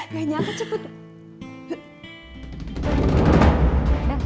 gak nyangka cepet